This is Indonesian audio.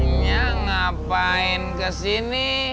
ini ngapain ke sini